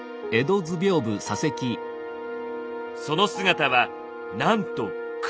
その姿はなんと「黒」。